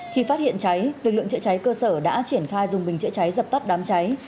khi phát hiện cháy lực lượng chữa cháy cơ sở đã triển khai dùng bình chữa cháy dập tắt đám cháy